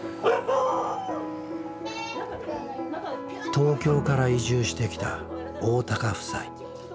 東京から移住してきた大高夫妻。